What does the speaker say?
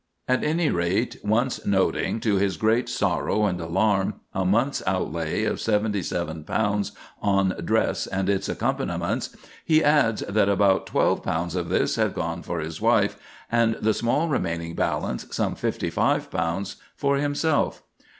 At any rate, once noting, to his great sorrow and alarm, a month's outlay of seventy seven pounds on dress and its accompaniments, he adds that about twelve pounds of this had gone for his wife, and the small remaining balance—some fifty five pounds—for himself.